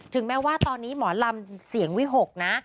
แม้ว่าตอนนี้หมอลำเสียงวิหกนะ